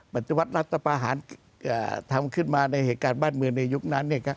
ปฏิวัติรัฐประหารทำขึ้นมาในเหตุการณ์บ้านเมืองในยุคนั้น